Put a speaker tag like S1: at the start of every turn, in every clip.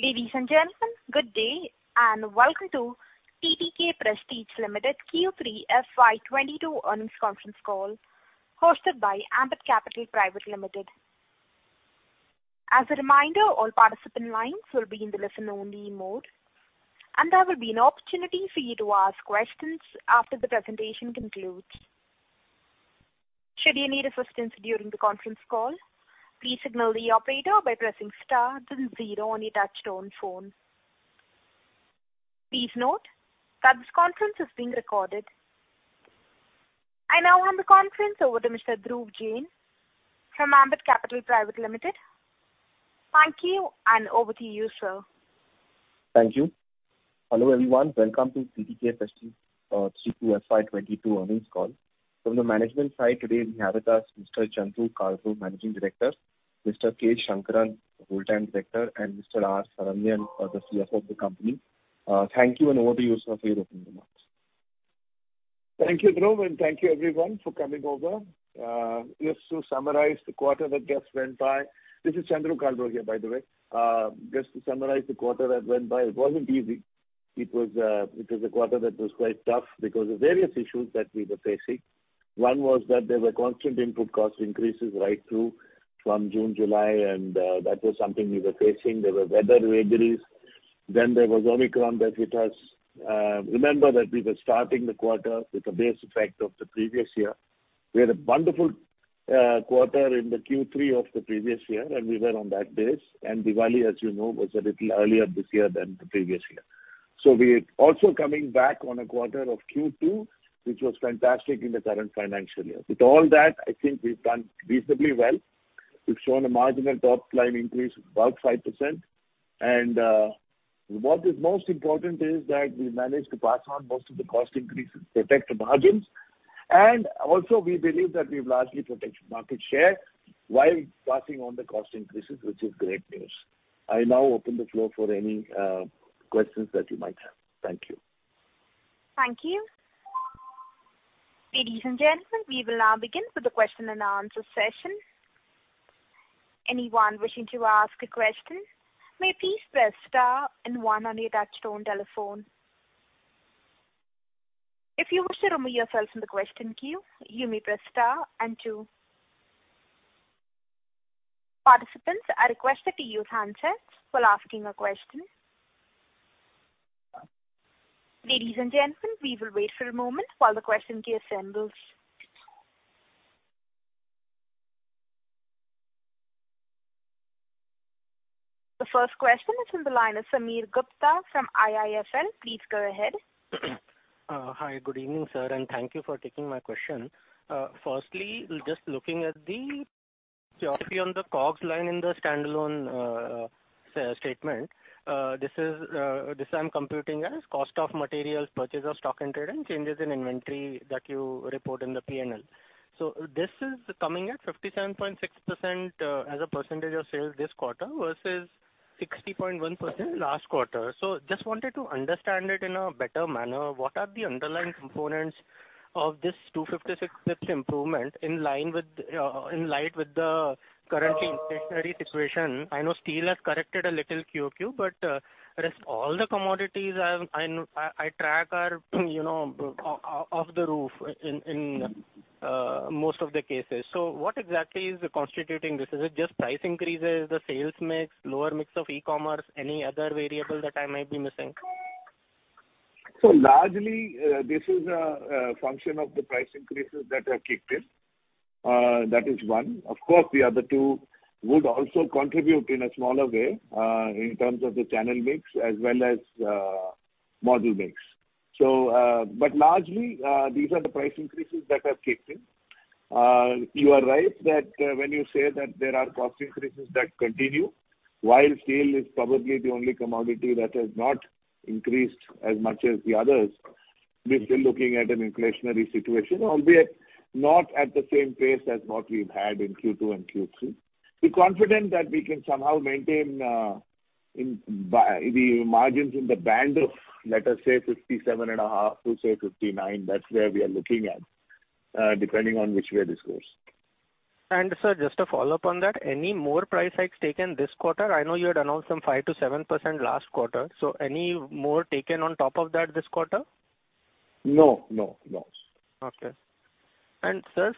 S1: Ladies and gentlemen, good day, and welcome to TTK Prestige Limited Q3 FY22 earnings conference call, hosted by Ambit Capital Private Limited. As a reminder, all participant lines will be in the listen-only mode, and there will be an opportunity for you to ask questions after the presentation concludes. Should you need assistance during the conference call, please signal the operator by pressing star then zero on your touchtone phone. Please note that this conference is being recorded. I now hand the conference over to Mr. Dhruv Jain from Ambit Capital Private Limited. Thank you, and over to you, sir.
S2: Thank you. Hello, everyone. Welcome to TTK Prestige, Q3 FY22 earnings call. From the management side today we have with us Mr. Chandru Kalro, Managing Director, Mr. K. Shankaran, Whole Time Director, and Mr. R. Sarangan, the CFO of the company. Thank you, and over to you, sir, for your opening remarks.
S3: Thank you, Dhruv, and thank you, everyone, for coming over. Just to summarize the quarter that just went by, this is Chandru Kalro here, by the way. Just to summarize the quarter that went by, it wasn't easy. It was, it was a quarter that was quite tough because of various issues that we were facing. One was that there were constant input cost increases right through from June, July, and that was something we were facing. There were weather vagaries. Then there was Omicron that hit us. Remember that we were starting the quarter with a base effect of the previous year. We had a wonderful quarter in the Q3 of the previous year, and we were on that base, and Diwali, as you know, was a little earlier this year than the previous year. So we're also coming back on a quarter of Q2, which was fantastic in the current financial year. With all that, I think we've done reasonably well. We've shown a marginal top line increase of about 5%. And, what is most important is that we managed to pass on most of the cost increases, protect the margins, and also we believe that we've largely protected market share while passing on the cost increases, which is great news. I now open the floor for any questions that you might have. Thank you.
S1: Thank you. Ladies and gentlemen, we will now begin with the question and answer session. Anyone wishing to ask a question may please press star and one on your touchtone telephone. If you wish to remove yourself from the question queue, you may press star and two. Participants are requested to use handsets while asking a question. Ladies and gentlemen, we will wait for a moment while the question queue assembles. The first question on the line is Sameer Gupta from IIFL. Please go ahead.
S4: Hi, good evening, sir, and thank you for taking my question. Firstly, just looking at the geography on the COGS line in the standalone, statement. This is, this I'm computing as cost of materials, purchase of stock-in-trade, and changes in inventory that you report in the P&L. So this is coming at 57.6%, as a percentage of sales this quarter versus 60.1% last quarter. So just wanted to understand it in a better manner. What are the underlying components of this 2.56% improvement in line with, in light with the current inflationary situation? I know steel has corrected a little QOQ, but, rest all the commodities I track are, you know, off the roof in, in, most of the cases. So what exactly is constituting this? Is it just price increases, the sales mix, lower mix of e-commerce, any other variable that I might be missing?
S3: So largely, this is a function of the price increases that have kicked in. That is one. Of course, the other two would also contribute in a smaller way, in terms of the channel mix as well as model mix. So, but largely, these are the price increases that have kicked in. You are right that, when you say that there are cost increases that continue. While steel is probably the only commodity that has not increased as much as the others, we're still looking at an inflationary situation, albeit not at the same pace as what we've had in Q2 and Q3. We're confident that we can somehow maintain in by the margins in the band of, let us say, 57.5-59. That's where we are looking at, depending on which way this goes.
S4: And sir, just a follow-up on that, any more price hikes taken this quarter? I know you had announced some 5%-7% last quarter, so any more taken on top of that this quarter?
S3: No, no, no.
S4: Okay. And, sir,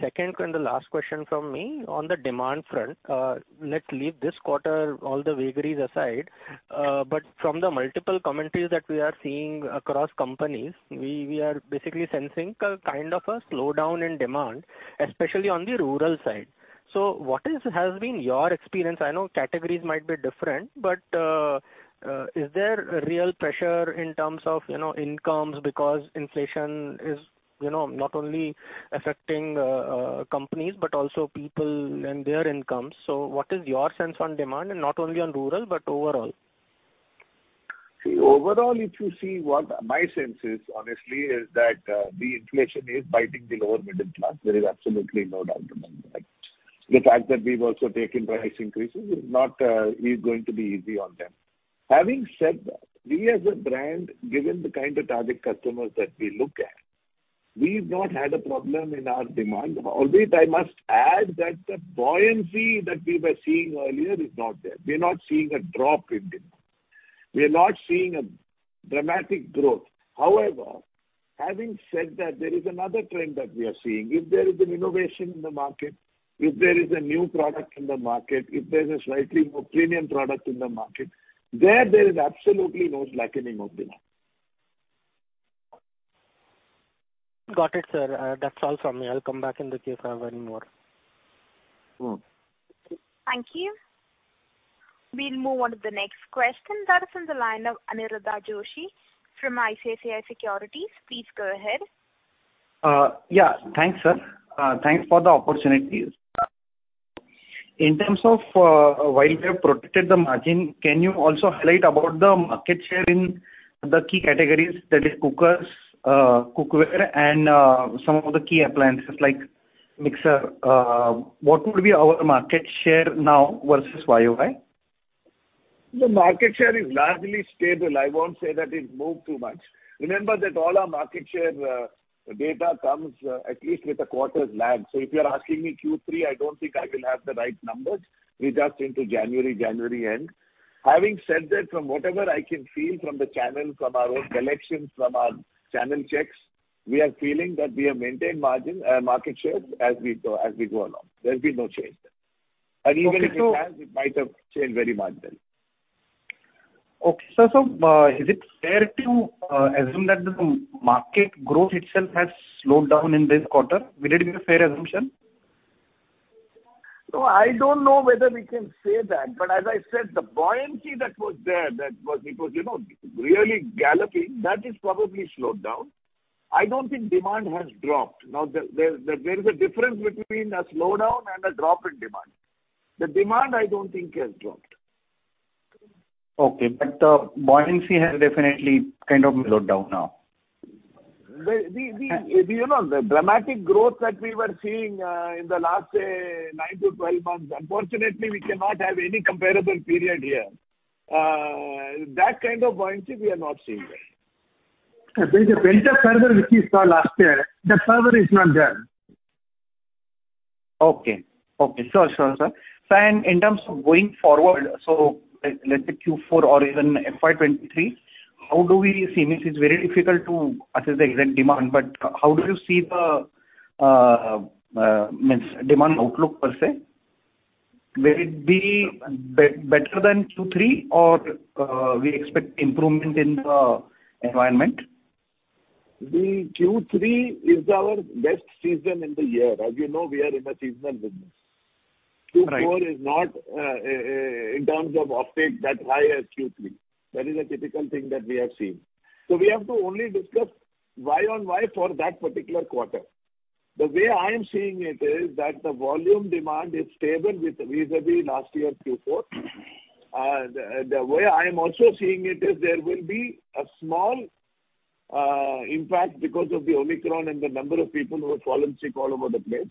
S4: second and the last question from me. On the demand front, let's leave this quarter, all the vagaries aside, but from the multiple commentaries that we are seeing across companies, we are basically sensing a kind of a slowdown in demand, especially on the rural side. So what is has been your experience? I know categories might be different, but is there a real pressure in terms of, you know, incomes? Because inflation is, you know, not only affecting companies, but also people and their incomes. So what is your sense on demand, and not only on rural, but overall?
S3: See, overall, if you see, what my sense is, honestly, is that, the inflation is biting the lower middle class. There is absolutely no doubt about that. The fact that we've also taken price increases is not going to be easy on them. Having said that, we as a brand, given the kind of target customers that we look at. We've not had a problem in our demand, albeit I must add that the buoyancy that we were seeing earlier is not there. We're not seeing a drop in demand. We are not seeing a dramatic growth. However, having said that, there is another trend that we are seeing. If there is an innovation in the market, if there is a new product in the market, if there's a slightly more premium product in the market, there is absolutely no slackening of demand.
S4: Got it, sir. That's all from me. I'll come back in case I have any more.
S3: Mm.
S1: Thank you. We'll move on to the next question. That is on the line of Anirudh Joshi from ICICI Securities. Please go ahead.
S5: Yeah. Thanks, sir. Thanks for the opportunity. In terms of, while we have protected the margin, can you also highlight about the market share in the key categories, that is, cookers, cookware, and, some of the key appliances, like mixer? What would be our market share now versus YOY?
S3: The market share is largely stable. I won't say that it moved too much. Remember that all our market share, data comes, at least with a quarter's lag. So if you're asking me Q3, I don't think I will have the right numbers. We're just into January, January end. Having said that, from whatever I can feel from the channel, from our own collections, from our channel checks, we are feeling that we have maintained margin, market share as we go, as we go along. There's been no change there.
S5: Okay, so-
S3: Even if it has, it might have changed very marginally.
S5: Okay, sir, so, is it fair to assume that the market growth itself has slowed down in this quarter? Will it be a fair assumption?
S3: No, I don't know whether we can say that, but as I said, the buoyancy that was there, you know, really galloping, has probably slowed down. I don't think demand has dropped. Now, there is a difference between a slowdown and a drop in demand. The demand, I don't think, has dropped.
S5: Okay, but the buoyancy has definitely kind of slowed down now.
S3: You know, the dramatic growth that we were seeing in the last, say, 9-12 months, unfortunately, we cannot have any comparable period here. That kind of buoyancy we are not seeing there. There is a pent-up fervor which we saw last year, the fervor is not there.
S5: Okay. Okay. Sure, sure, sir. So in terms of going forward, so let's say Q4 or even FY23, how do we see this? It's very difficult to assess the exact demand, but how do you see the demand outlook per se? Will it be better than Q3, or we expect improvement in the environment?
S3: The Q3 is our best season in the year. As you know, we are in a seasonal business.
S5: Right.
S3: Q4 is not, in terms of uptake, that high as Q3. That is a typical thing that we have seen. So we have to only discuss Y-on-Y for that particular quarter. The way I am seeing it is that the volume demand is stable with vis-à-vis last year, Q4. The way I am also seeing it is there will be a small impact because of the Omicron and the number of people who are falling sick all over the place.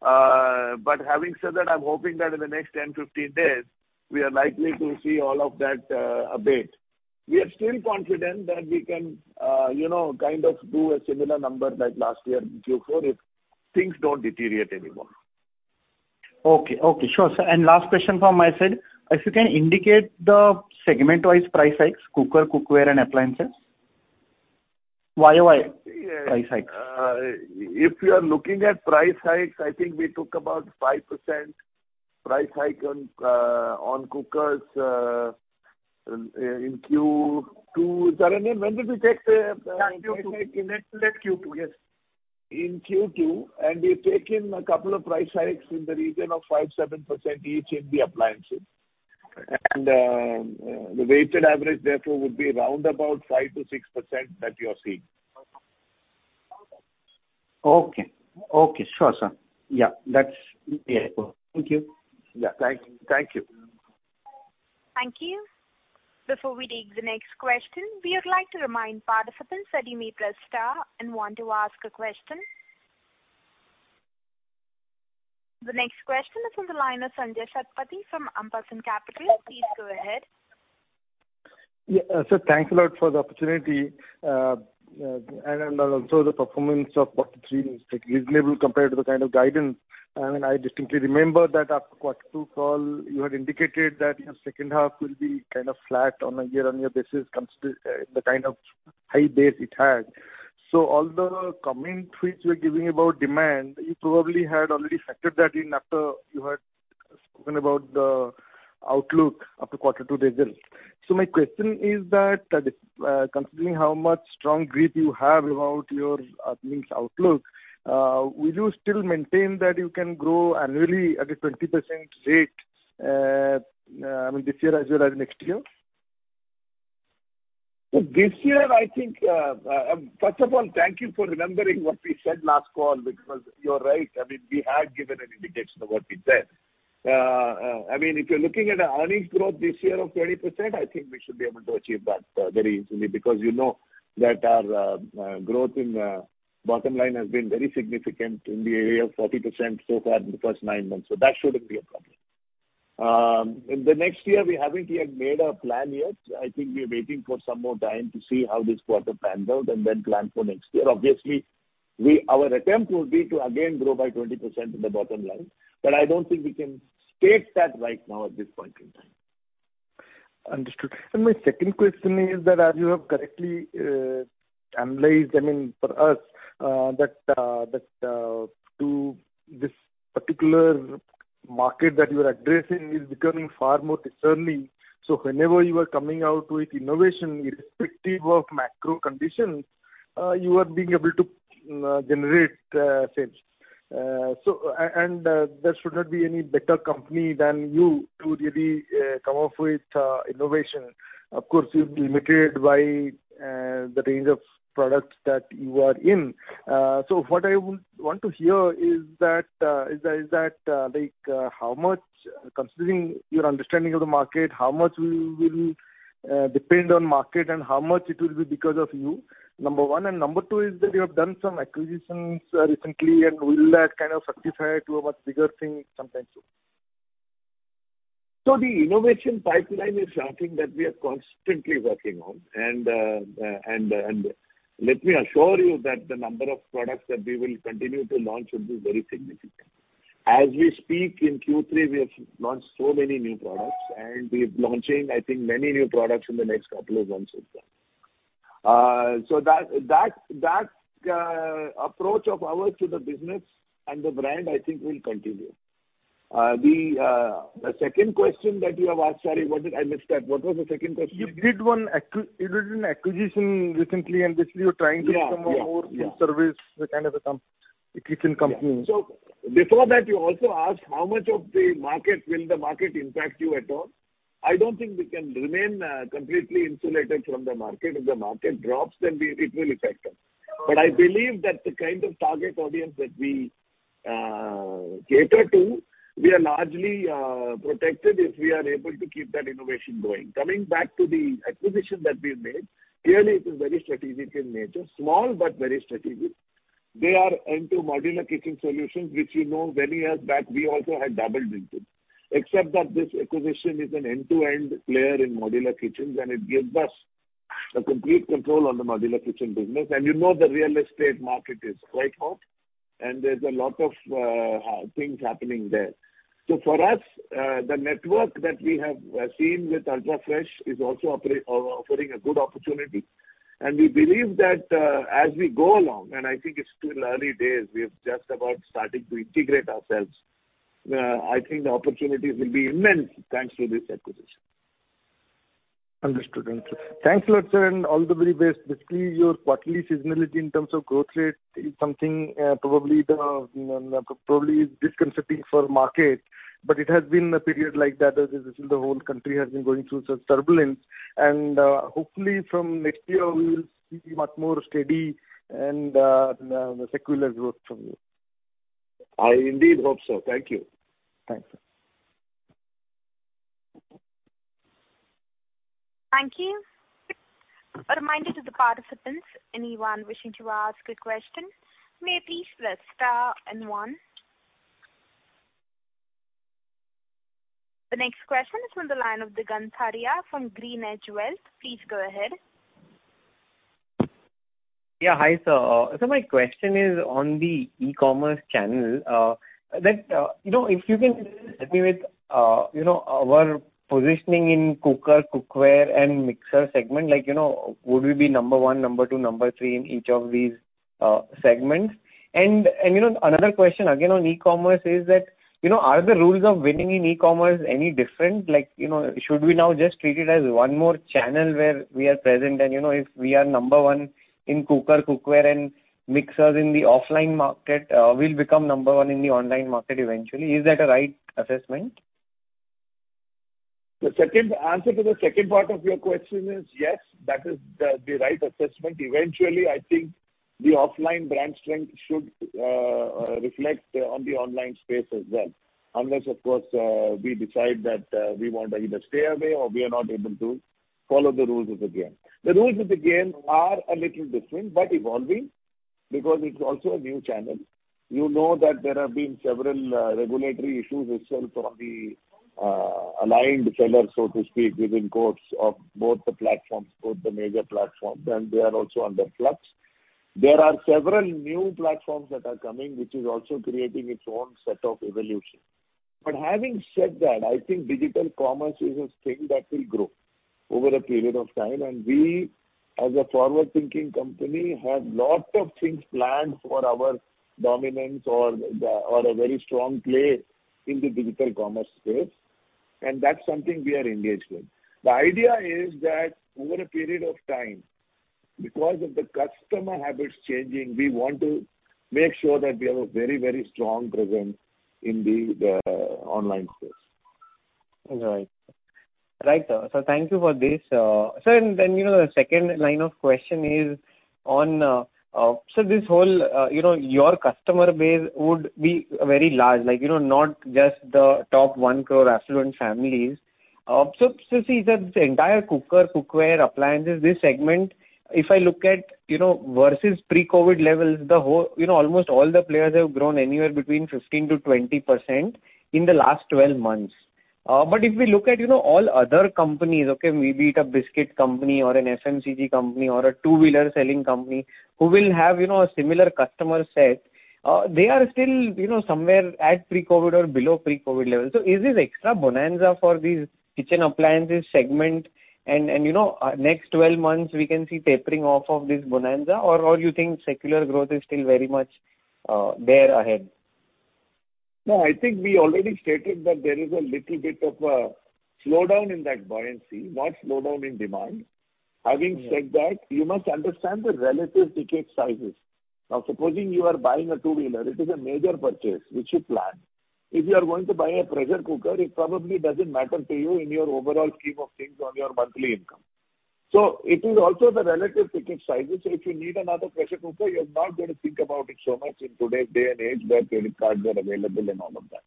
S3: But having said that, I'm hoping that in the next 10, 15 days, we are likely to see all of that abate. We are still confident that we can, you know, kind of do a similar number like last year in Q4, if things don't deteriorate any more.
S5: Okay. Okay, sure, sir. Last question from my side. If you can indicate the segment-wise price hikes, cooker, cookware, and appliances, YOY price hikes?
S3: If you are looking at price hikes, I think we took about 5% price hike on cookers in Q2. Sarangan, when did we take the
S5: Q2.
S3: In that, that Q2, yes. In Q2, we've taken a couple of price hikes in the region of 5, 7% each in the appliances.
S5: Okay.
S3: The weighted average therefore would be around about 5%-6% that you are seeing.
S5: Okay. Okay, sure, sir. Yeah, that's very cool. Thank you.
S3: Yeah. Thank you.
S1: Thank you. Before we take the next question, we would like to remind participants that you may press star and one to ask a question. The next question is on the line of Sanjay Satapathy from Ambit Capital. Please go ahead.
S6: Yeah, sir, thanks a lot for the opportunity, and also the performance of quarter three is reasonable compared to the kind of guidance. And I distinctly remember that after quarter two call, you had indicated that your second half will be kind of flat on a year-on-year basis, consider the kind of high base it had. So all the comments which you are giving about demand, you probably had already factored that in after you had spoken about the outlook after quarter two results. So my question is that, considering how much strong grip you have about your earnings outlook, will you still maintain that you can grow annually at a 20% rate, I mean, this year as well as next year?
S3: So this year, I think, first of all, thank you for remembering what we said last call, because you're right. I mean, we had given an indication of what we said. I mean, if you're looking at a earnings growth this year of 20%, I think we should be able to achieve that very easily, because you know that our growth in bottom line has been very significant in the area of 40% so far in the first nine months. So that shouldn't be a problem. In the next year, we haven't yet made our plan yet. I think we're waiting for some more time to see how this quarter pans out, and then plan for next year. Obviously, our attempt will be to again grow by 20% in the bottom line, but I don't think we can state that right now at this point in time.
S6: Understood. And my second question is that, as you have correctly analyzed, I mean, for us, that this particular market that you are addressing is becoming far more discerning. So whenever you are coming out with innovation, irrespective of macro conditions, you are being able to generate sales. So and there should not be any better company than you to really come up with innovation. Of course, you're limited by the range of products that you are in. So what I would want to hear is that, like, how much considering your understanding of the market, how much will depend on market and how much it will be because of you? 1, and 2 is that you have done some acquisitions, recently, and will that kind of succeed to a much bigger thing sometime soon?
S3: So the innovation pipeline is something that we are constantly working on. And let me assure you that the number of products that we will continue to launch will be very significant. As we speak in Q3, we have launched so many new products, and we're launching, I think, many new products in the next couple of months as well. So that approach of ours to the business and the brand, I think will continue. The second question that you have asked, sorry, what did I miss that? What was the second question?
S6: You did an acquisition recently, and basically you're trying to-
S3: Yeah.
S6: become a more full-service, the kind of a kitchen company.
S3: So before that, you also asked how much of the market will the market impact you at all? I don't think we can remain completely insulated from the market. If the market drops, then it will affect us. But I believe that the kind of target audience that we cater to, we are largely protected if we are able to keep that innovation going. Coming back to the acquisition that we've made, clearly it is very strategic in nature. Small, but very strategic. They are into modular kitchen solutions, which, you know, many years back, we also had dabbled into. Except that this acquisition is an end-to-end player in modular kitchens, and it gives us the complete control on the modular kitchen business. And you know, the real estate market is quite hot, and there's a lot of things happening there. So for us, the network that we have seen with Ultrafresh is also offering a good opportunity. And we believe that, as we go along, and I think it's still early days, we have just about starting to integrate ourselves, I think the opportunities will be immense thanks to this acquisition.
S6: Understood. Thank you. Thanks a lot, sir, and all the very best. Basically, your quarterly seasonality in terms of growth rate is something probably disconcerting for market, but it has been a period like that, as the whole country has been going through some turbulence. Hopefully from next year, we will see much more steady and secular growth from you.
S3: I indeed hope so. Thank you.
S6: Thanks.
S1: Thank you. A reminder to the participants, anyone wishing to ask a question, may please press star and one. The next question is from the line of Digant Haria from GreenEdge Wealth. Please go ahead.
S7: Yeah, hi, sir. So my question is on the e-commerce channel, that, you know, if you can help me with, you know, our positioning in cooker, cookware and mixer segment, like, you know, would we be number one, number two, number three in each of these, segments? And, you know, another question again on e-commerce is that, you know, are the rules of winning in e-commerce any different? Like, you know, should we now just treat it as one more channel where we are present, and, you know, if we are number one in cooker, cookware and mixers in the offline market, we'll become number one in the online market eventually. Is that a right assessment?
S3: The second answer to the second part of your question is yes, that is the right assessment. Eventually, I think the offline brand strength should reflect on the online space as well. Unless, of course, we decide that we want to either stay away or we are not able to follow the rules of the game. The rules of the game are a little different, but evolving, because it's also a new channel. You know, that there have been several regulatory issues itself on the aligned sellers, so to speak, within quotes of both the platforms, both the major platforms, and they are also under flux. There are several new platforms that are coming, which is also creating its own set of evolution. But having said that, I think digital commerce is a thing that will grow over a period of time, and we, as a forward-thinking company, have lots of things planned for our dominance or a very strong play in the digital commerce space, and that's something we are engaged with. The idea is that over a period of time, because of the customer habits changing, we want to make sure that we have a very, very strong presence in the online space.
S7: All right. Right, sir. So thank you for this. Sir, and then, you know, the second line of question is on, so this whole, you know, your customer base would be very large, like, you know, not just the top 1 crore affluent families. So see the entire cooker, cookware, appliances, this segment, if I look at, you know, versus pre-COVID levels, the whole—you know, almost all the players have grown anywhere between 15%-20% in the last 12 months. But if we look at, you know, all other companies, okay, maybe it's a biscuit company or an FMCG company or a two-wheeler selling company, who will have, you know, a similar customer set, they are still, you know, somewhere at pre-COVID or below pre-COVID levels. So is this extra bonanza for these kitchen appliances segment? You know, next 12 months we can see tapering off of this bonanza, or you think secular growth is still very much there ahead?
S3: No, I think we already stated that there is a little bit of a slowdown in that buoyancy, not slowdown in demand.
S7: Yeah.
S3: Having said that, you must understand the relative ticket sizes. Now, supposing you are buying a two-wheeler, it is a major purchase, which you plan. If you are going to buy a pressure cooker, it probably doesn't matter to you in your overall scheme of things on your monthly income. So it is also the relative ticket sizes. So if you need another pressure cooker, you're not going to think about it so much in today's day and age, where credit cards are available and all of that.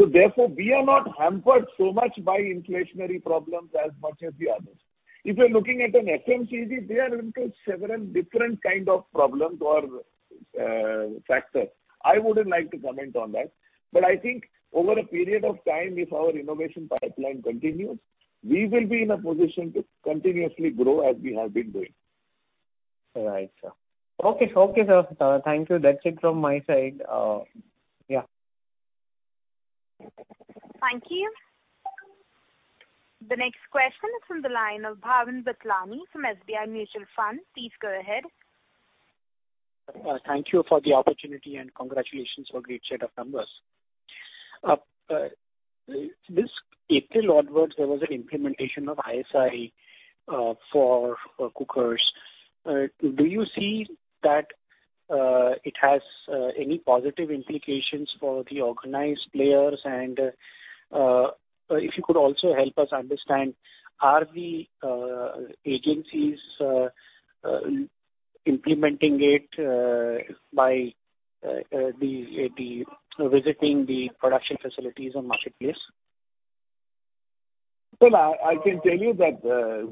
S3: So therefore, we are not hampered so much by inflationary problems as much as the others. If you're looking at an FMCG, they are into several different kind of problems or factors. I wouldn't like to comment on that. I think over a period of time, if our innovation pipeline continues, we will be in a position to continuously grow as we have been doing.
S7: Right, sir. Okay. Okay, sir, thank you. That's it from my side. Yeah.
S1: Thank you. The next question is from the line of Bhavin Vithlani from SBI Mutual Fund. Please go ahead.
S8: Thank you for the opportunity, and congratulations for great set of numbers. This April onwards, there was an implementation of ISI for cookers. Do you see that it has any positive implications for the organized players? And if you could also help us understand, are the agencies implementing it by visiting the production facilities on marketplace?
S3: Well, I can tell you that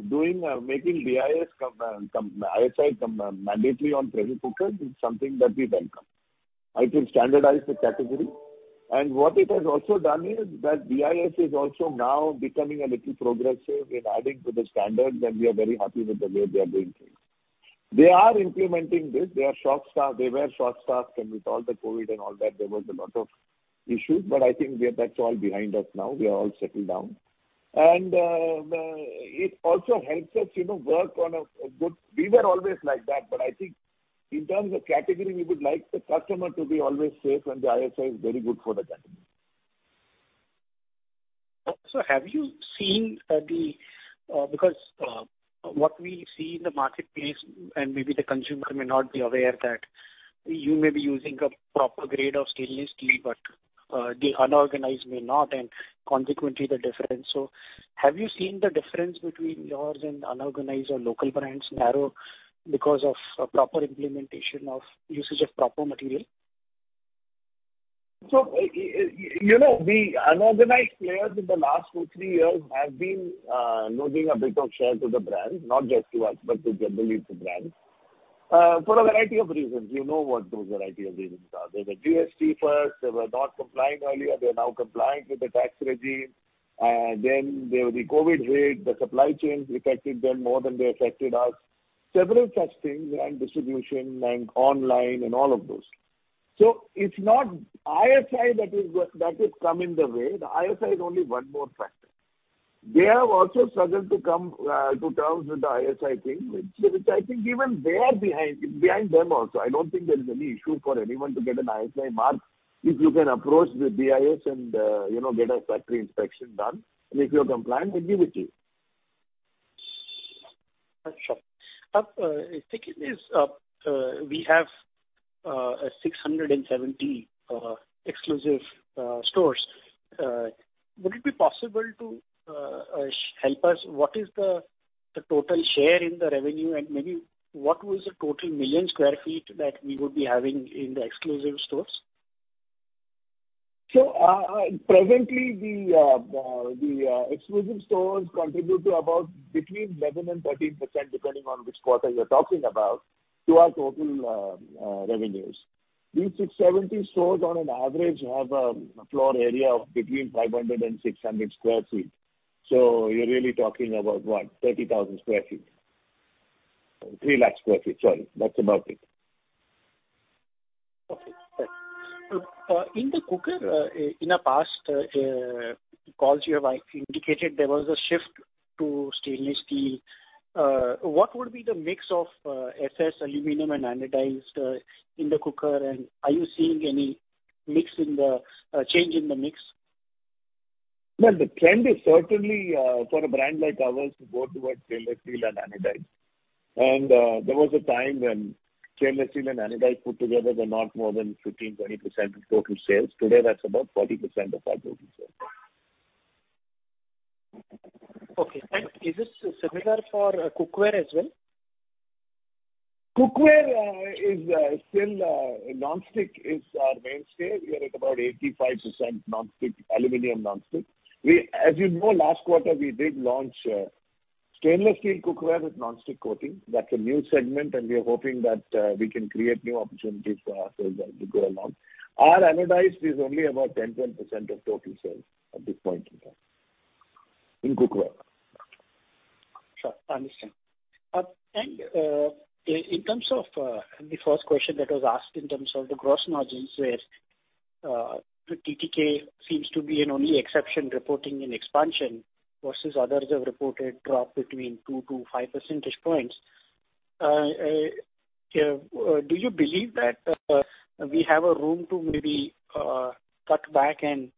S3: doing or making BIS come, ISI come mandatory on pressure cookers is something that we welcome. It will standardize the category. And what it has also done is that BIS is also now becoming a little progressive in adding to the standards, and we are very happy with the way they are doing things. They are implementing this. They were short-staffed, and with all the COVID and all that, there was a lot of issues, but I think that's all behind us now. We are all settled down. And it also helps us, you know, work on a good. We were always like that, but I think in terms of category, we would like the customer to be always safe, and the ISI is very good for the category.
S8: So have you seen, because what we see in the marketplace, and maybe the consumer may not be aware that you may be using a proper grade of stainless steel, but the unorganized may not, and consequently, the difference. So have you seen the difference between yours and unorganized or local brands narrow because of proper implementation of usage of proper material?
S3: So, you know, the unorganized players in the last two-three years have been losing a bit of share to the brands, not just to us, but generally to brands, for a variety of reasons. You know what those variety of reasons are. There was GST first. They were not compliant earlier. They are now compliant with the tax regime. Then there the COVID hit. The supply chain affected them more than they affected us. Several such things, and distribution and online and all of those. So it's not ISI that is that has come in the way. The ISI is only one more factor. They have also struggled to come to terms with the ISI thing, which I think even they are behind them also. I don't think there is any issue for anyone to get an ISI mark. If you can approach the BIS and, you know, get a factory inspection done, and if you're compliant, we'll be with you.
S8: Sure. TTK, we have 670 exclusive stores. Would it be possible to help us? What is the total share in the revenue, and maybe what was the total million square feet that we would be having in the exclusive stores?
S3: Presently, the exclusive stores contribute to about between 11% and 13%, depending on which quarter you're talking about, to our total revenues. These 670 stores on an average have a floor area of between 500 and 600 sq ft. So you're really talking about, what? 30,000 sq ft. 300,000 sq ft, sorry. That's about it.
S8: Okay. In the cooker, in the past calls you have indicated, there was a shift to stainless steel. What would be the mix of SS, aluminum, and anodized in the cooker? And are you seeing any mix in the change in the mix?
S3: Well, the trend is certainly for a brand like ours to go towards stainless steel and anodized. And there was a time when stainless steel and anodized put together were not more than 15%-20% of total sales. Today, that's about 40% of our total sales.
S8: Okay, thank you. Is this similar for cookware as well?...
S3: Cookware is still non-stick is our mainstay. We are at about 85% non-stick, aluminum non-stick. We, as you know, last quarter, we did launch stainless steel cookware with non-stick coating. That's a new segment, and we are hoping that we can create new opportunities for ourselves as we go along. Our anodized is only about 10%-12% of total sales at this point in time, in cookware.
S8: Sure, I understand. In terms of the first question that was asked in terms of the gross margins, where TTK seems to be an only exception, reporting an expansion versus others have reported drop between 2-5 percentage points. Do you believe that we have a room to maybe cut back and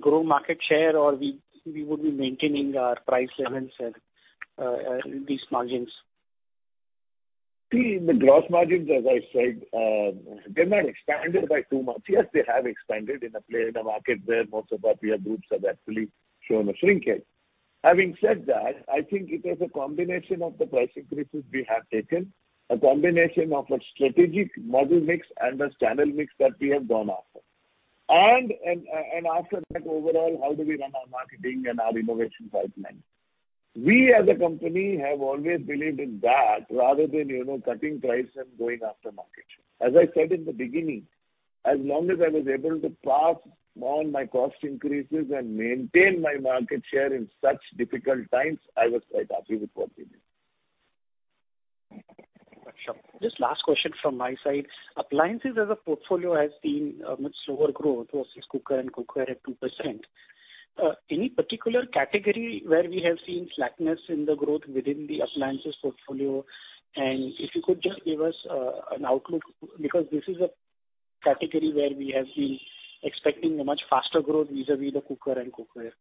S8: grow market share, or we would be maintaining our price levels and these margins?
S3: See, the gross margins, as I said, they're not expanded by too much. Yes, they have expanded in a play, in a market where most of our peer groups have actually shown a shrinkage. Having said that, I think it is a combination of the price increases we have taken, a combination of a strategic model mix and a channel mix that we have gone after. And, and, and after that, overall, how do we run our marketing and our innovation pipeline? We, as a company, have always believed in that, rather than, you know, cutting price and going after market share. As I said in the beginning, as long as I was able to pass on my cost increases and maintain my market share in such difficult times, I was quite happy with what we did.
S8: Sure. Just last question from my side. Appliances as a portfolio has seen a much slower growth versus cooker and cookware at 2%. Any particular category where we have seen flatness in the growth within the appliances portfolio? And if you could just give us an outlook, because this is a category where we have been expecting a much faster growth vis-à-vis the cooker and cookware.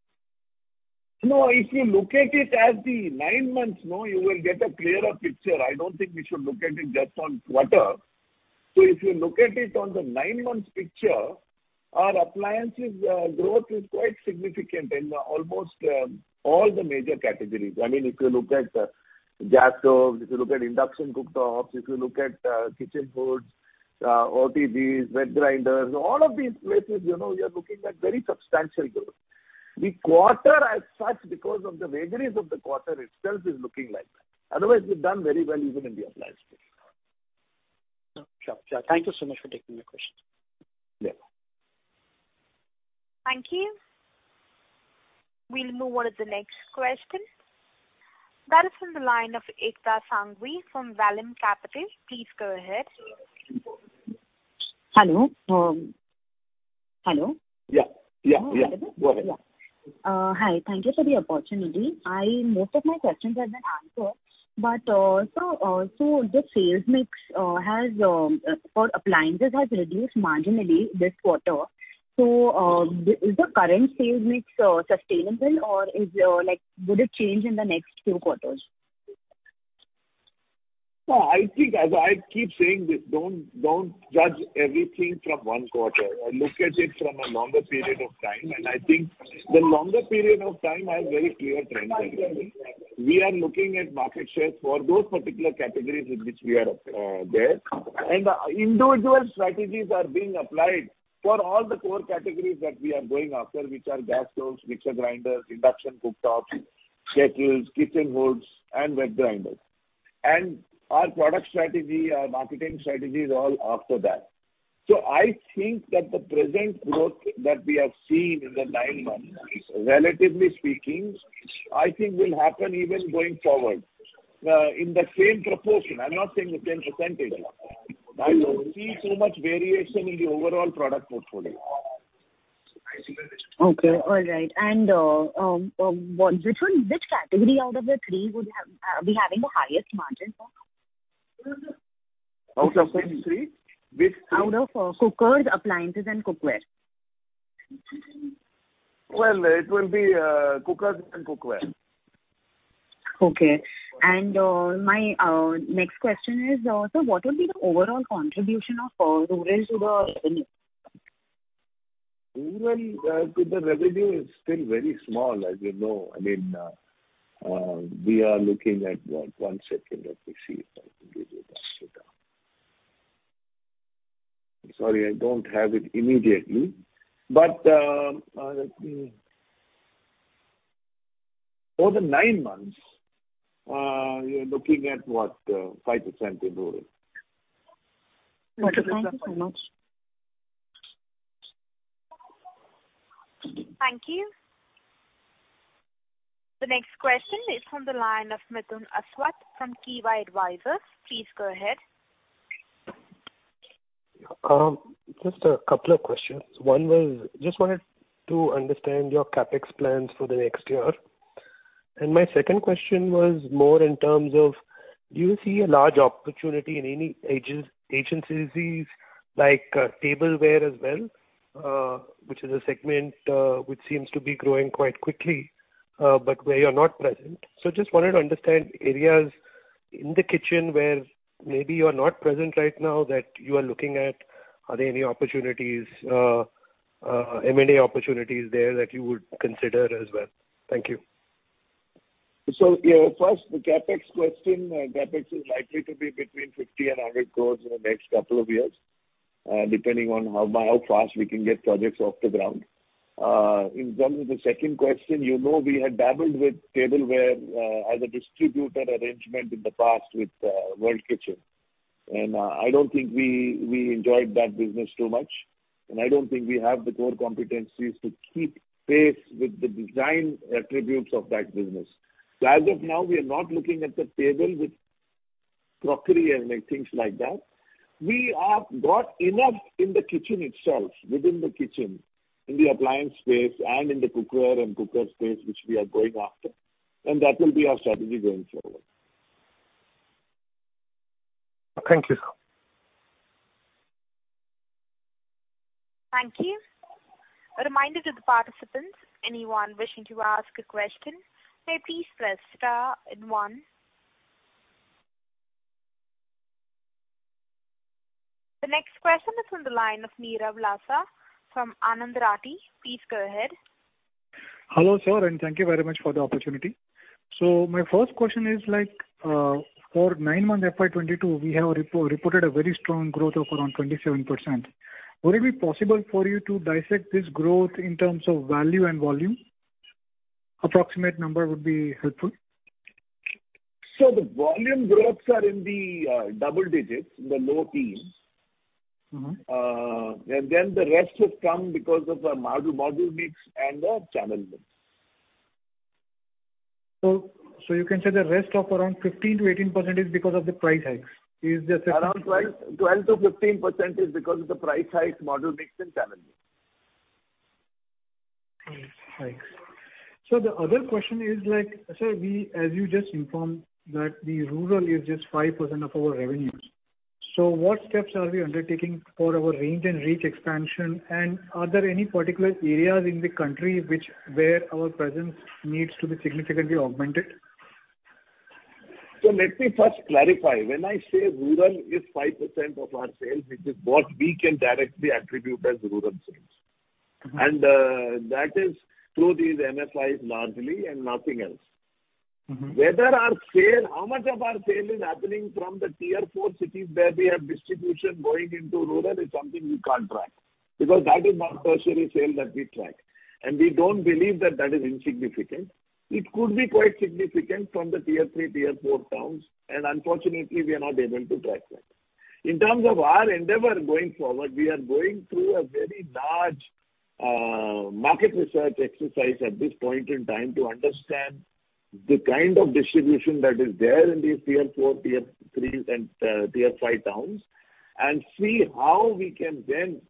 S3: No, if you look at it as the nine months, no, you will get a clearer picture. I don't think we should look at it just on quarter. So if you look at it on the nine months picture, our appliances, growth is quite significant in almost, all the major categories. I mean, if you look at gas stoves, if you look at induction cooktops, if you look at, kitchen hoods, OTGs, wet grinders, all of these places, you know, we are looking at very substantial growth. The quarter, as such, because of the vagaries of the quarter itself, is looking like that. Otherwise, we've done very well even in the appliance space.
S8: Sure, sure. Thank you so much for taking my questions.
S3: Yeah.
S1: Thank you. We'll move on to the next question. That is from the line of Ekta Sanghvi from Vallum Capital. Please go ahead.
S9: Hello? Hello.
S3: Yeah, yeah, yeah.
S9: Hello.
S3: Go ahead.
S9: Hi, thank you for the opportunity. Most of my questions have been answered, but so the sales mix for appliances has reduced marginally this quarter. So is the current sales mix sustainable, or like would it change in the next few quarters?
S3: No, I think, as I keep saying this, don't, don't judge everything from one quarter. Look at it from a longer period of time, and I think the longer period of time has very clear trends. We are looking at market shares for those particular categories in which we are there. And individual strategies are being applied for all the core categories that we are going after, which are gas stoves, mixer grinders, induction cooktops, kettles, kitchen hoods and wet grinders. And our product strategy, our marketing strategy is all after that. So I think that the present growth that we have seen in the nine months, relatively speaking, I think will happen even going forward in the same proportion. I'm not saying the same percentage. I don't see so much variation in the overall product portfolio.
S9: Okay, all right. And, which one—which category out of the three would have be having the highest margin for now?
S3: Out of which three? Which three?
S9: Out of cookers, appliances and cookware.
S3: Well, it will be cookers and cookware.
S9: Okay. My next question is, so what will be the overall contribution of rural to the revenue?
S3: Rural to the revenue is still very small, as you know. I mean, we are looking at what? One second, let me see if I can give you the data. Sorry, I don't have it immediately, but, let me... Over the nine months, we are looking at, what, 5% in rural.
S9: Thank you so much.
S1: Thank you. The next question is from the line of Mithun Aswath from Kivah Advisors. Please go ahead.
S10: Just a couple of questions. One was, just wanted to understand your CapEx plans for the next year. And my second question was more in terms of, do you see a large opportunities in any adjacencies like, tableware as well? Which is a segment, which seems to be growing quite quickly, but where you're not present. So just wanted to understand areas in the kitchen where maybe you're not present right now, that you are looking at. Are there any opportunities, M&A opportunities there that you would consider as well? Thank you.
S3: Yeah, first, the CapEx question, CapEx is likely to be between 50 crores and 100 crores in the next couple of years, depending on how, by how fast we can get projects off the ground. In terms of the second question, you know, we had dabbled with tableware, as a distributor arrangement in the past with, World Kitchen. And, I don't think we, we enjoyed that business too much, and I don't think we have the core competencies to keep pace with the design attributes of that business. So as of now, we are not looking at the table with crockery and things like that. We've got enough in the kitchen itself, within the kitchen, in the appliance space and in the cookware and cooker space, which we are going after, and that will be our strategy going forward.
S10: Thank you, sir.
S1: Thank you. A reminder to the participants, anyone wishing to ask a question, may please press star and one. The next question is on the line of Nirav Vasa from Anand Rathi. Please go ahead.
S11: Hello, sir, and thank you very much for the opportunity. So my first question is, like, for nine months, FY22, we have reported a very strong growth of around 27%. Would it be possible for you to dissect this growth in terms of value and volume? Approximate number would be helpful.
S3: So the volume growths are in the double digits, in the low teens.
S11: Mm-hmm.
S3: And then the rest has come because of the modular mix and the channel mix.
S11: So you can say the rest of around 15%-18% is because of the price hikes. Is there-
S3: Around 12, 12%-15% is because of the price hikes, model mix, and channel mix.
S11: Great. Thanks. So the other question is like, sir, we, as you just informed, that the rural is just 5% of our revenues. So what steps are we undertaking for our range and reach expansion? And are there any particular areas in the country which, where our presence needs to be significantly augmented?
S3: Let me first clarify. When I say rural is 5% of our sales, it is what we can directly attribute as rural sales.
S11: Mm-hmm.
S3: That is through these MFIs largely, and nothing else.
S11: Mm-hmm.
S3: Whether our sale, how much of our sale is happening from the Tier Four cities, where we have distribution going into rural, is something we can't track, because that is not tertiary sale that we track. We don't believe that that is insignificant. It could be quite significant from the Tier Three, Tier Four towns, and unfortunately, we are not able to track that. In terms of our endeavor going forward, we are going through a very large, market research exercise at this point in time, to understand the kind of distribution that is there in these Tier Four, Tier Threes, and, Tier Five towns, and see how we can then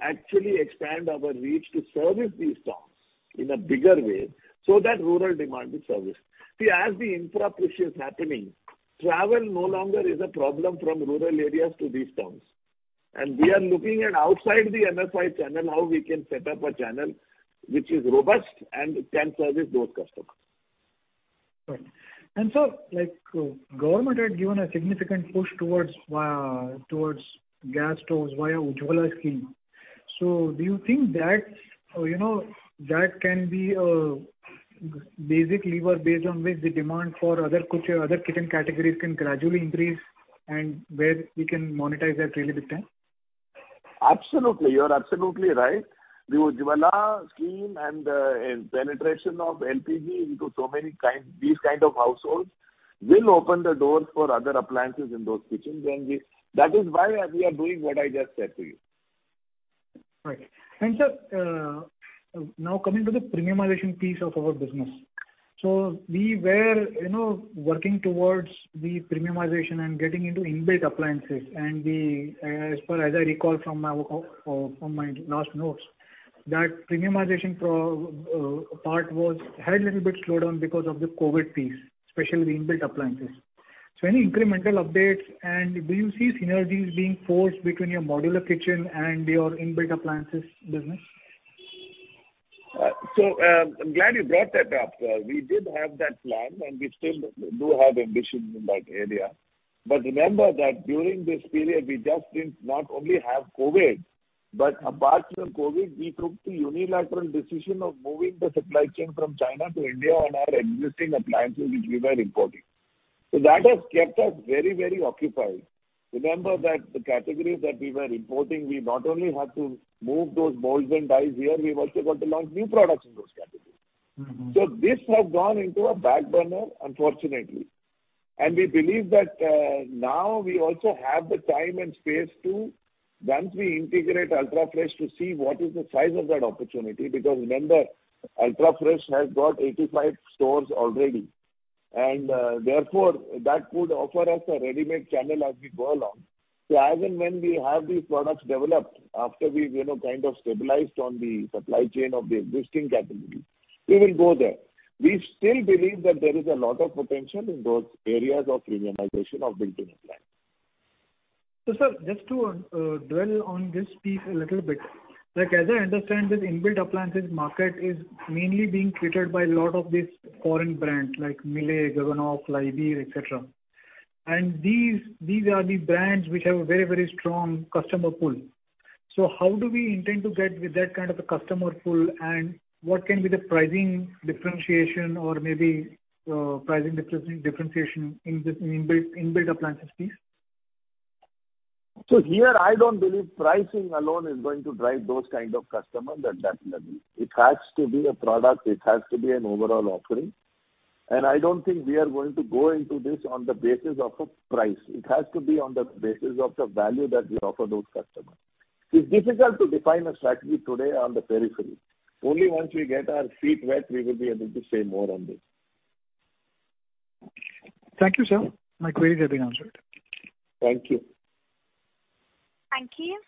S3: actually expand our reach to service these towns in a bigger way, so that rural demand is serviced. See, as the infra push is happening, travel no longer is a problem from rural areas to these towns. We are looking at outside the MFI channel, how we can set up a channel which is robust and can service those customers.
S11: Right. And, sir, like, government had given a significant push towards gas stoves via Ujjwala Scheme. So do you think that, you know, that can be a basic lever based on which the demand for other such, other kitchen categories can gradually increase, and where we can monetize that really big time?
S3: Absolutely. You're absolutely right. The Ujjwala Scheme and penetration of LPG into so many kind, these kind of households, will open the doors for other appliances in those kitchens. And we... That is why we are doing what I just said to you.
S11: Right. And, sir, now coming to the premiumization piece of our business. So we were, you know, working towards the premiumization and getting into in-built appliances. And we, as per, as I recall from my last notes, that premiumization part had a little bit slowed down because of the COVID piece, especially the in-built appliances. So any incremental updates, and do you see synergies being forged between your modular kitchen and your in-built appliances business?
S3: So, I'm glad you brought that up. We did have that plan, and we still do have ambitions in that area. But remember that during this period, we just didn't not only have COVID, but apart from COVID, we took the unilateral decision of moving the supply chain from China to India on our existing appliances, which we were importing. So that has kept us very, very occupied. Remember that the categories that we were importing, we not only had to move those molds and dies here, we've also got to launch new products in those categories.
S11: Mm-hmm.
S3: So this has gone into a back burner, unfortunately. We believe that, now we also have the time and space to, once we integrate Ultrafresh, to see what is the size of that opportunity. Because remember, Ultrafresh has got 85 stores already, and, therefore, that could offer us a readymade channel as we go along. As and when we have these products developed, after we've, you know, kind of stabilized on the supply chain of the existing categories, we will go there. We still believe that there is a lot of potential in those areas of premiumization of built-in appliances.
S11: So, sir, just to dwell on this piece a little bit. Like, as I understand, this built-in appliances market is mainly being catered by a lot of these foreign brands, like Miele, Gaggenau, Liebherr, et cetera. And these are the brands which have a very, very strong customer pool. So how do we intend to get with that kind of a customer pool, and what can be the pricing differentiation or maybe pricing differentiation in the built-in appliances, please?
S3: So here, I don't believe pricing alone is going to drive those kind of customers at that level. It has to be a product, it has to be an overall offering. And I don't think we are going to go into this on the basis of a price. It has to be on the basis of the value that we offer those customers. It's difficult to define a strategy today on the periphery. Only once we get our feet wet, we will be able to say more on this.
S11: Thank you, sir. My queries have been answered.
S3: Thank you.
S1: Thank you.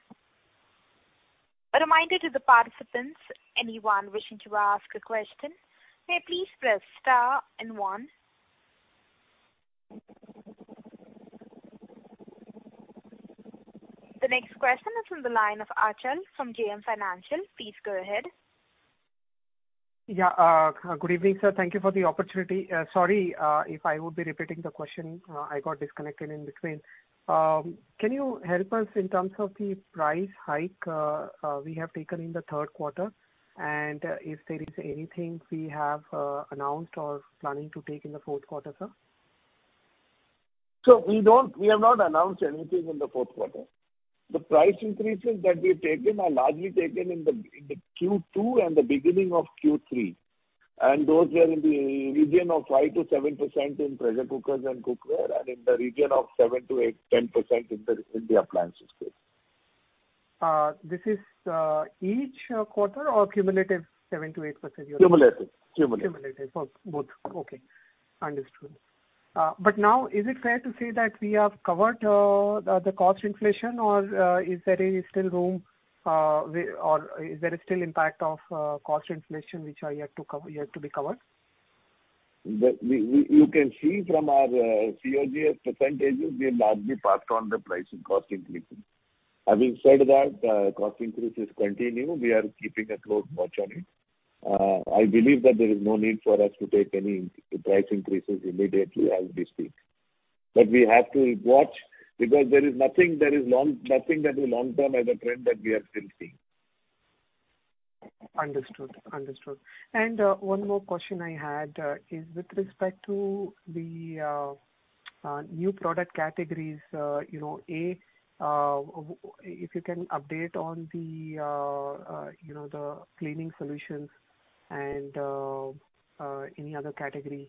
S1: A reminder to the participants, anyone wishing to ask a question, may please press star and one. The next question is from the line of Achal from JM Financial. Please go ahead.
S12: Yeah, good evening, sir. Thank you for the opportunity. Sorry, if I would be repeating the question, I got disconnected in between. Can you help us in terms of the price hike we have taken in the third quarter? And if there is anything we have announced or planning to take in the fourth quarter, sir?
S3: We don't - we have not announced anything in the fourth quarter. The price increases that we've taken are largely taken in the Q2 and the beginning of Q3. Those are in the region of 5%-7% in pressure cookers and cookware, and in the region of 7 to 8, 10% in the appliances space.
S12: This is each quarter or cumulative 7%-8% you're-
S3: Cumulative. Cumulative.
S12: Cumulative. Both. Okay, understood. But now, is it fair to say that we have covered the cost inflation or is there any still room where... or is there still impact of cost inflation, which are yet to cover, yet to be covered?
S3: You can see from our COGS percentages, we have largely passed on the pricing cost increases. Having said that, cost increases continue. We are keeping a close watch on it. I believe that there is no need for us to take any price increases immediately as we speak. But we have to watch, because there is nothing that is long-term as a trend that we are still seeing.
S12: Understood. Understood. And one more question I had is with respect to the new product categories, you know, A, if you can update on the you know, the cleaning solutions and any other category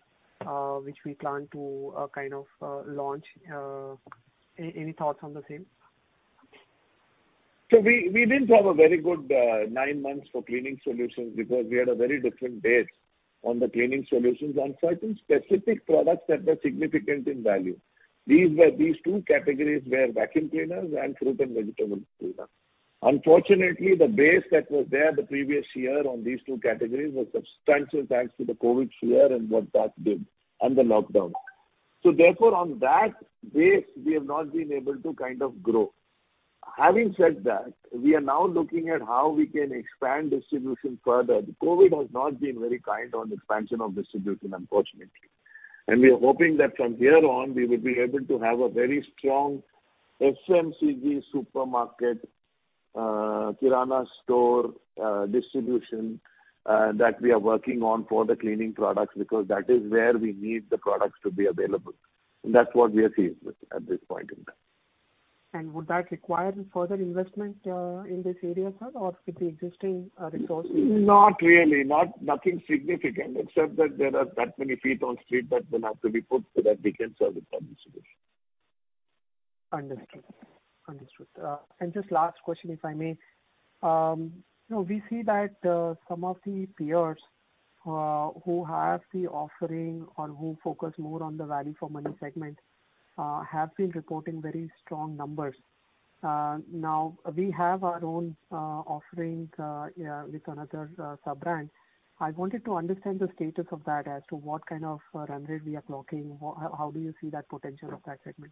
S12: which we plan to kind of launch. Any thoughts on the same?
S3: So we, we didn't have a very good nine months for cleaning solutions because we had a very different base on the cleaning solutions and certain specific products that were significant in value. These were—these two categories were vacuum cleaners and fruit and vegetable cleaner. Unfortunately, the base that was there the previous year on these two categories was substantial, thanks to the COVID year and what that did, and the lockdown. So therefore, on that base, we have not been able to kind of grow. Having said that, we are now looking at how we can expand distribution further. The COVID has not been very kind on expansion of distribution, unfortunately. We are hoping that from here on, we will be able to have a very strong FMCG supermarket, kirana store, distribution that we are working on for the cleaning products, because that is where we need the products to be available. That's what we are seeing with at this point in time.
S12: Would that require further investment in this area, sir, or with the existing resources?
S3: Not really, nothing significant, except that there are that many feet on street that will have to be put so that we can serve the whole situation.
S12: Understood. Understood. Just last question, if I may. You know, we see that some of the peers who have the offering or who focus more on the value for money segment have been reporting very strong numbers. Now, we have our own offerings, yeah, with another sub-brand. I wanted to understand the status of that as to what kind of run rate we are clocking. How, how do you see that potential of that segment?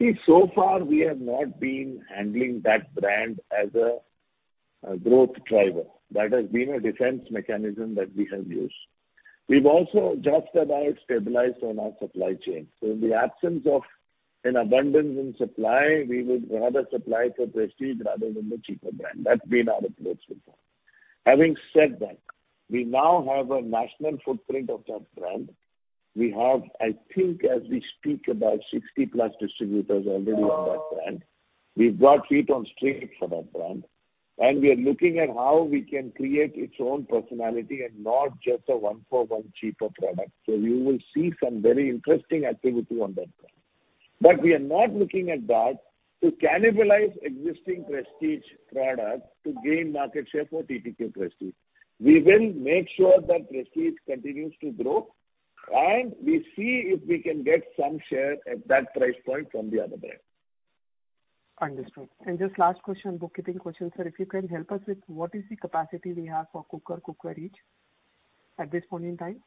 S3: See, so far, we have not been handling that brand as a, a growth driver. That has been a defense mechanism that we have used. We've also just about stabilized on our supply chain. So in the absence of an abundance in supply, we would rather supply for Prestige rather than the cheaper brand. That's been our approach so far. Having said that, we now have a national footprint of that brand. We have, I think, as we speak, about 60+ distributors already on that brand. We've got feet on street for that brand, and we are looking at how we can create its own personality and not just a one-for-one cheaper product. So you will see some very interesting activity on that brand. But we are not looking at that to cannibalize existing Prestige products to gain market share for TTK Prestige. We will make sure that Prestige continues to grow, and we see if we can get some share at that price point from the other brand.
S12: Understood. And just last question, bookkeeping question, sir, if you can help us with what is the capacity we have for cooker, cookware each at this point in time?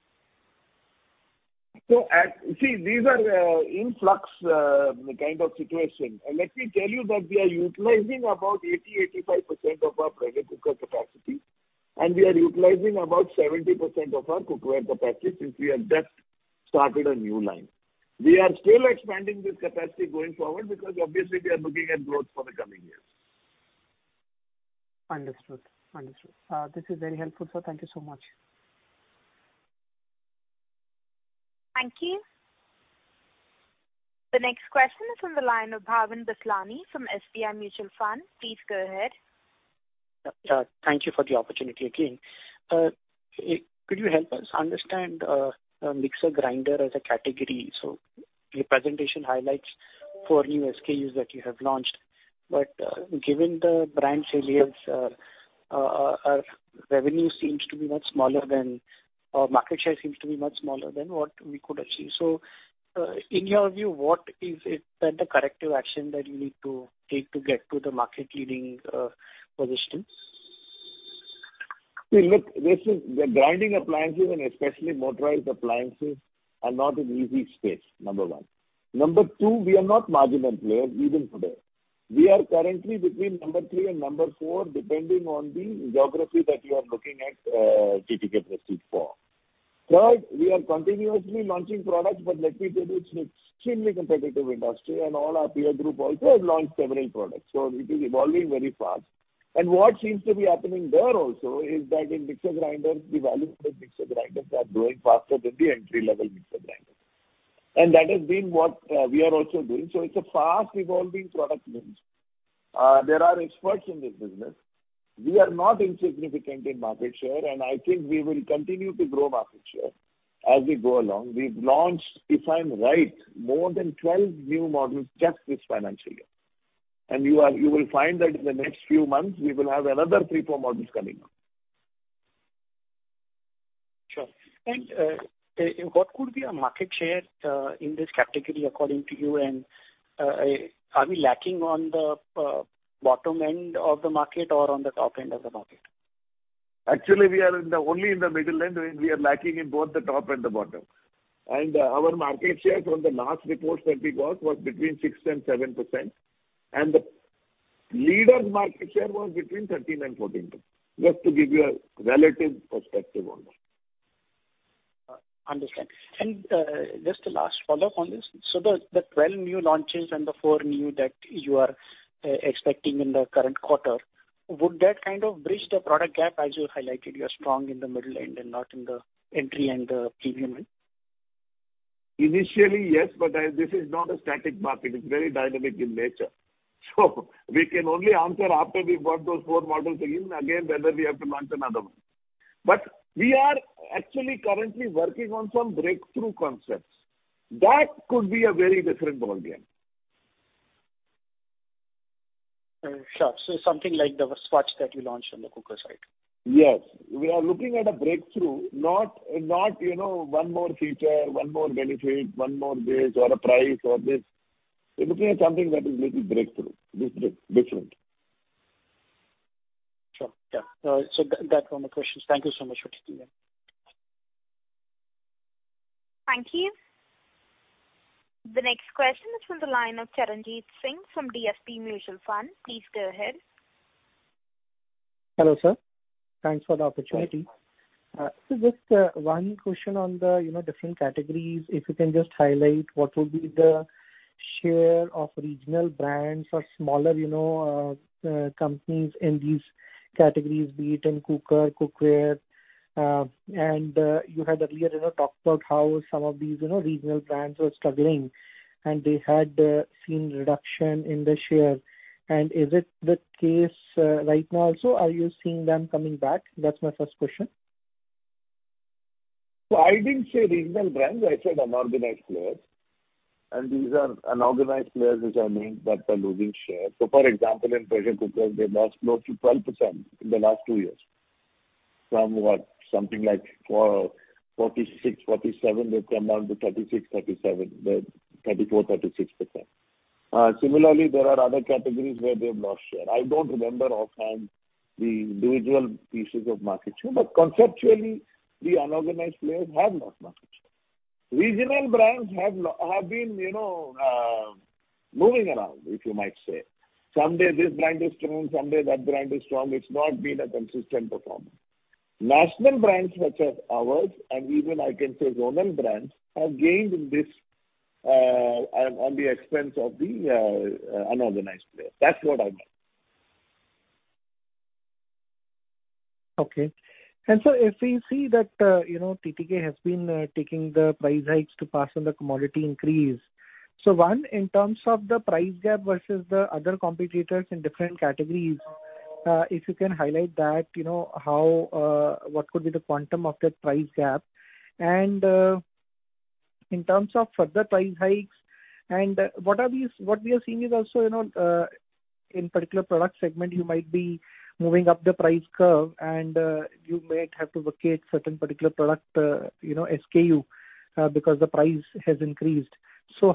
S3: See, these are in flux kind of situation. Let me tell you that we are utilizing about 80-85% of our pressure cooker capacity and we are utilizing about 70% of our cookware capacity since we have just started a new line. We are still expanding this capacity going forward, because obviously we are looking at growth for the coming years.
S12: Understood. Understood. This is very helpful, sir. Thank you so much.
S1: Thank you. The next question is on the line of Bhavin Vithlani from SBI Mutual Fund. Please go ahead.
S8: Thank you for the opportunity again. Could you help us understand, mixer grinder as a category? So your presentation highlights 4 new SKUs that you have launched, but, given the brand sales, our revenue seems to be much smaller than or market share seems to be much smaller than what we could achieve. So, in your view, what is it that the corrective action that you need to take to get to the market leading, position?
S3: See, look, this is the grinding appliances and especially motorized appliances, are not an easy space, number one. Number two, we are not marginal players even today. We are currently between number three and number four, depending on the geography that you are looking at, TTK Prestige for. Third, we are continuously launching products, but let me tell you, it's an extremely competitive industry, and all our peer group also have launched several products, so it is evolving very fast. And what seems to be happening there also is that in mixer grinders, the value of the mixer grinders are growing faster than the entry-level mixer grinders. And that has been what we are also doing, so it's a fast evolving product range. There are experts in this business. We are not insignificant in market share, and I think we will continue to grow market share as we go along. We've launched, if I'm right, more than 12 new models just this financial year. And you will find that in the next few months, we will have another 3-4 models coming up.
S8: Sure. And, what could be our market share in this category, according to you? And, are we lacking on the bottom end of the market or on the top end of the market?
S3: Actually, we are in the only in the middle end. We are lacking in both the top and the bottom. And our market share from the last report that we got was between 6% and 7%, and the leader's market share was between 13% and 14%, just to give you a relative perspective on that.
S8: Understand. And just a last follow-up on this: so the 12 new launches and the 4 new that you are expecting in the current quarter, would that kind of bridge the product gap as you highlighted? You're strong in the middle end and not in the entry and the premium end.
S3: Initially, yes, but this is not a static market. It's very dynamic in nature. So we can only answer after we've got those four models again, again, whether we have to launch another one. But we are actually currently working on some breakthrough concepts. That could be a very different ball game.
S8: Sure. So something like the Svachh that you launched on the cooker side?
S3: Yes. We are looking at a breakthrough, not, not, you know, one more feature, one more benefit, one more this or a price or this. We're looking at something that is little breakthrough, different.
S8: Sure. Yeah. That's all my questions. Thank you so much for taking them.
S1: Thank you. The next question is from the line of Charanjit Singh from DSP Mutual Fund. Please go ahead.
S13: Hello, sir. Thanks for the opportunity.
S3: Yes.
S13: So just one question on the, you know, different categories. If you can just highlight what would be the share of regional brands or smaller, you know, companies in these categories, be it in cooker, cookware. And you had earlier, you know, talked about how some of these, you know, regional brands were struggling, and they had seen reduction in their shares. And is it the case right now also, are you seeing them coming back? That's my first question.
S3: So I didn't say regional brands, I said unorganized players. And these are unorganized players which are mainly, that are losing share. So, for example, in pressure cookers, they've lost close to 12% in the last two years, from what? Something like 46-47, they've come down to 36-37, then 34-36%. Similarly, there are other categories where they've lost share. I don't remember offhand the individual pieces of market share, but conceptually, the unorganized players have lost market share. Regional brands have been, you know, moving around, if you might say. Someday this brand is strong, someday that brand is strong. It's not been a consistent performance. National brands such as ours, and even I can say, zonal brands, have gained in this on the expense of the unorganized player. That's what I meant.
S13: Okay. And so if we see that, you know, TTK has been taking the price hikes to pass on the commodity increase. So one, in terms of the price gap versus the other competitors in different categories, if you can highlight that, you know, how, what could be the quantum of that price gap? And, in terms of further price hikes, and what are these-- what we are seeing is also, you know, in particular product segment, you might be moving up the price curve, and, you might have to vacate certain particular product, you know, SKU, because the price has increased.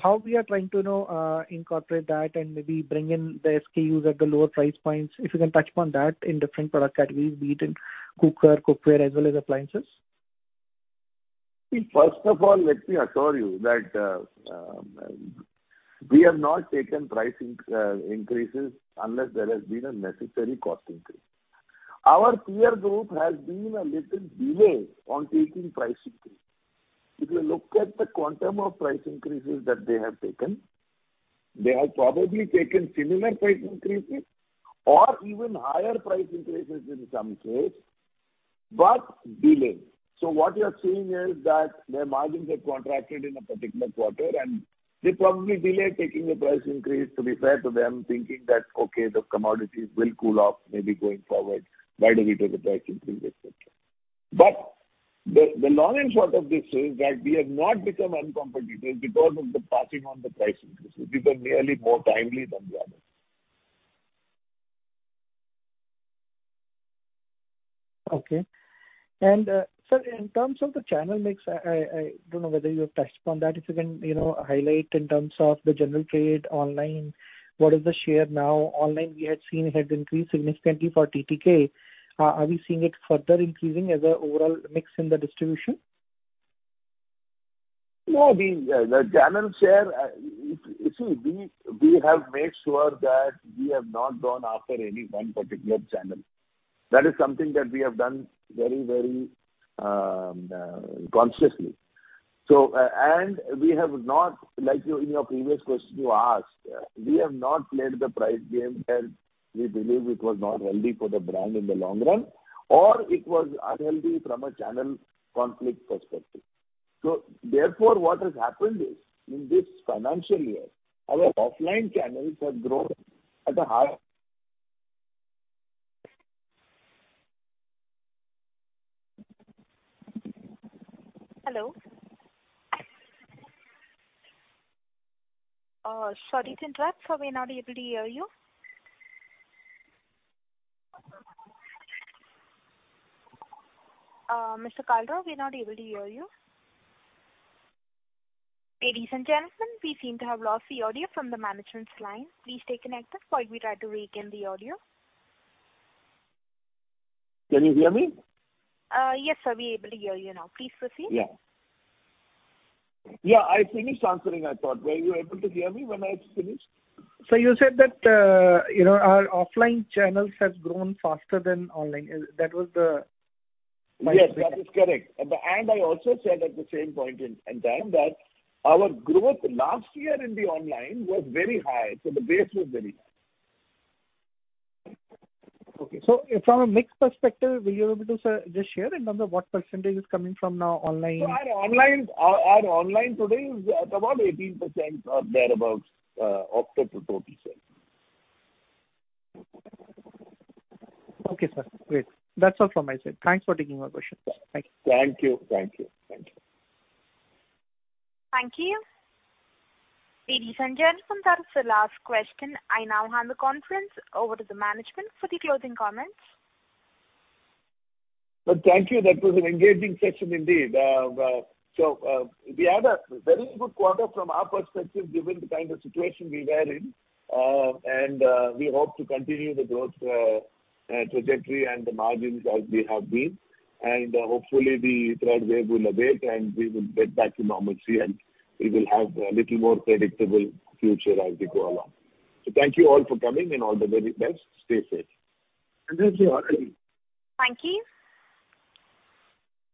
S13: How we are trying to, you know, incorporate that and maybe bring in the SKUs at the lower price points, if you can touch upon that in different product categories, be it in cooker, cookware, as well as appliances?...
S3: First of all, let me assure you that we have not taken price increases unless there has been a necessary cost increase. Our peer group has been a little delayed on taking price increase. If you look at the quantum of price increases that they have taken, they have probably taken similar price increases or even higher price increases in some case, but delayed. So what you are seeing is that their margins have contracted in a particular quarter, and they probably delayed taking the price increase to be fair to them, thinking that, "Okay, the commodities will cool off maybe going forward. Why do we take the price increase, et cetera?" But the long and short of this is that we have not become uncompetitive because of the passing on the price increases. We were merely more timely than the others.
S13: Okay. And, sir, in terms of the channel mix, I don't know whether you have touched on that. If you can, you know, highlight in terms of the general trade, online, what is the share now? Online, we had seen it had increased significantly for TTK. Are we seeing it further increasing as a overall mix in the distribution?
S3: No, the channel share, you see, we have made sure that we have not gone after any one particular channel. That is something that we have done very, very consciously. So, and we have not, like you in your previous question you asked, we have not played the price game where we believe it was not healthy for the brand in the long run, or it was unhealthy from a channel conflict perspective. So therefore, what has happened is, in this financial year, our offline channels have grown at a high-
S1: Hello? Sorry to interrupt, sir, we are not able to hear you. Mr. Kalro, we are not able to hear you. Ladies and gentlemen, we seem to have lost the audio from the management's line. Please stay connected while we try to regain the audio.
S3: Can you hear me?
S1: Yes, sir, we are able to hear you now. Please proceed.
S3: Yeah. Yeah, I finished answering, I thought. Were you able to hear me when I had finished?
S13: So you said that, you know, our offline channels has grown faster than online. That was the-
S3: Yes, that is correct. And I also said at the same point in time that our growth last year in the online was very high, so the base was very high.
S13: Okay. So from a mix perspective, were you able to, sir, just share in terms of what percentage is coming from now online?
S3: So our online, our online today is at about 18% or thereabout of the total sales.
S13: Okay, sir. Great. That's all from my side. Thanks for taking my question. Thank you.
S3: Thank you. Thank you. Thank you.
S1: Thank you. Ladies and gentlemen, that's the last question. I now hand the conference over to the management for the closing comments.
S3: Well, thank you. That was an engaging session indeed. So, we had a very good quarter from our perspective, given the kind of situation we were in. And we hope to continue the growth trajectory and the margins as we have been. And hopefully, the third wave will abate, and we will get back to normalcy, and we will have a little more predictable future as we go along. So thank you all for coming, and all the very best. Stay safe. And this is all.
S1: Thank you.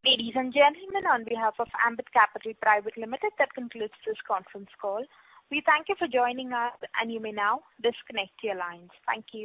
S1: Ladies and gentlemen, on behalf of Ambit Capital Private Limited, that concludes this conference call. We thank you for joining us, and you may now disconnect your lines. Thank you.